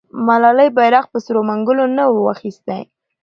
ملالۍ بیرغ په سرو منګولو نه و اخیستی.